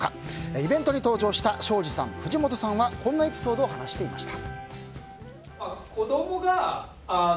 イベントに登場した庄司さん、藤本さんはこんなエピソードを話していました。